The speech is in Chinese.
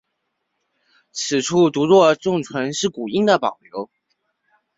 此处读若重唇是古音的保留。